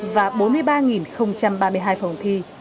và bốn mươi ba ba mươi hai phòng thi